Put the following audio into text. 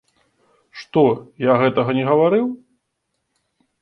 Што я гэтага не гаварыў?